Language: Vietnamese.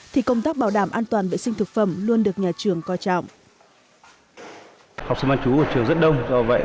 thì công tác bảo đảm an toàn vệ sinh thực phẩm luôn được nhà trường coi trọng